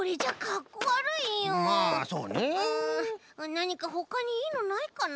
なにかほかにいいのないかな？